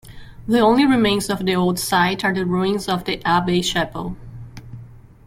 The only remains of the old site are the ruins of the Abbey chapel.